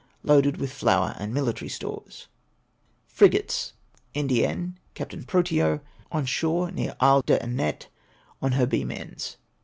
Loaded with flour and mili tary stores. Frigates. Indienne, Capt. Protean. On shore near Isle d'Euette, on her beam ends.